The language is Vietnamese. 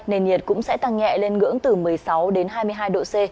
nền nhiệt cũng sẽ tăng nhẹ lên ngưỡng từ một mươi sáu đến hai mươi hai độ c